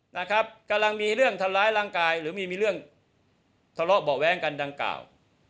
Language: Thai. นะครับกำลังมีเรื่องทำร้ายร่างกายหรือมีเรื่องทะเลาะเบาะแว้งกันดังกล่าว